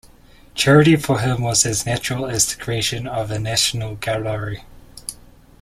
Charity for him was as natural as the creation of a national gallery.